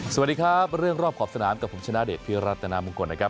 สวัสดีครับเรื่องรอบขอบสนามกับผมชนะเดชพิรัตนามงคลนะครับ